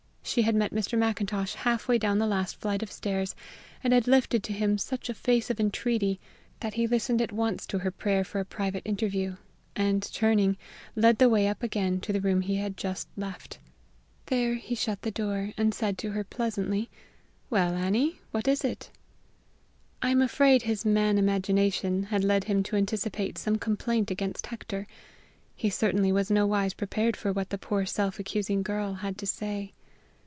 She had met Mr. Macintosh halfway down the last flight of stairs, and had lifted to him such a face of entreaty that he listened at once to her prayer for a private interview, and, turning, led the way up again to the room he had just left. There he shut the door, and said to her pleasantly: "Well, Annie, what is it?" I am afraid his man imagination had led him to anticipate some complaint against Hector: he certainly was nowise prepared for what the poor self accusing girl had to say.